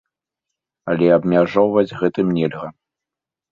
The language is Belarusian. Але абмяжоўваць гэтым нельга.